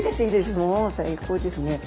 もう最高ですね。